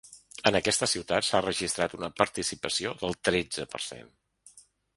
En aquesta ciutat s’ha registrat una participació del tretze per cent.